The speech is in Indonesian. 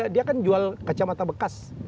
dia kan jual kacamata bekas